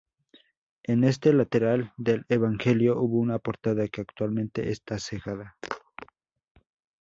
En ese lateral del evangelio hubo una portada que actualmente está cegada.